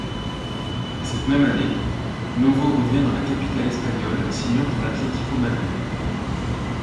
Cette même année, Novo revient dans la capitale espagnole, signant pour l'Atlético Madrid.